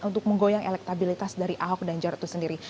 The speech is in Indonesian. untuk menggoyang elektabilitas dari ahok dan jaratu sendiri